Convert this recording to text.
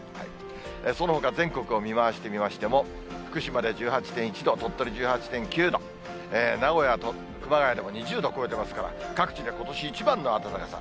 そのほか全国を見回してみましても、福島で１８．１度、鳥取１８．９度、名古屋と熊谷でも２０度を超えてますから、各地でことし一番の暖かさ。